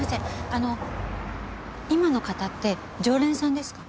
あの今の方って常連さんですか？